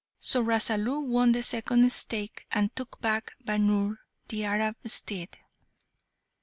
So Rasalu won the second stake, and took back Bhaunr, the Arab steed.